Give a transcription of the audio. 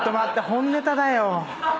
本ネタだよ。